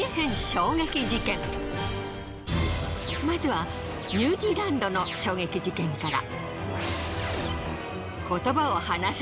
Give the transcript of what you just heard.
まずはニュージーランドの衝撃事件から。